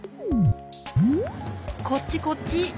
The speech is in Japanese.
こっちこっち！